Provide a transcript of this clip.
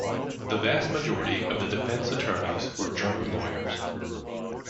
The vast majority of the defense attorneys were German lawyers.